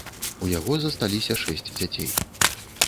У яго засталіся шэсць дзяцей.